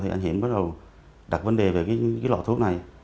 thì anh hiển bắt đầu đặt vấn đề về cái lò thuốc này